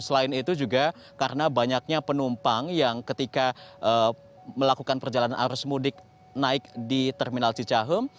selain itu juga karena banyaknya penumpang yang ketika melakukan perjalanan arus mudik naik di terminal cicahem